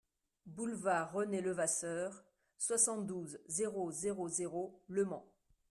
Boulevard René Levasseur, soixante-douze, zéro zéro zéro Le Mans